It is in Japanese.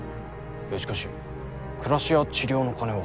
しかし暮らしや治療の金は。